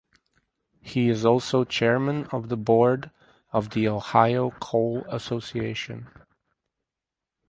He is also chairman of the board of the Ohio Coal Association.